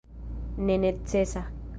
nenecesa